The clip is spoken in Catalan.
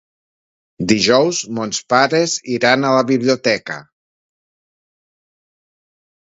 Dijous mons pares iran a la biblioteca.